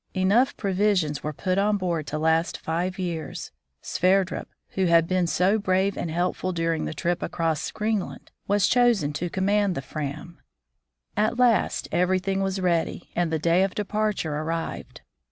Enough provisions were put on board to last five years. Sverdrup, who had been so brave and helpful during the trip across Greenland, was chosen to command the Fram. THE VOYAGE OF THE FRAM 123 At last everything was ready, and the day of depar ture arrived.